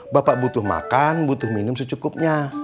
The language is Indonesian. bapak butuh makan butuh minum secukupnya